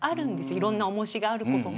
いろんな、重しがあることで。